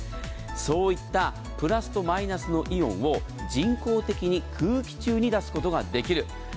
そういったプラスとマイナスのイオンを人工的に空気中に出すことができる。